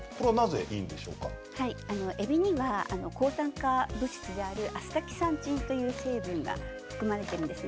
えびには抗酸化物質であるアスタキサンチンという成分が含まれています。